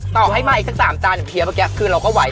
ต่อให้มาอีกสัก๓จานอย่างเฮียเมื่อกี้คือเราก็ไหว